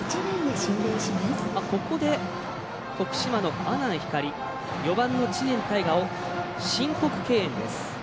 ここで、徳島の阿南光４番の知念大河を申告敬遠です。